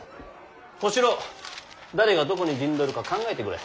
小四郎誰がどこに陣取るか考えてくれ。